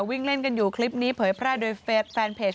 วิ่งเล่นกันอยู่คลิปนี้เผยแพร่โดยแฟนเพจ